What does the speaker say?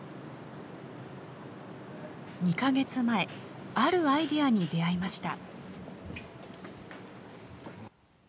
２か月前、あるアイデアに出会いました。